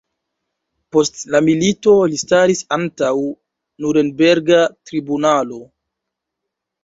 Post la milito li staris antaŭ Nurenberga tribunalo.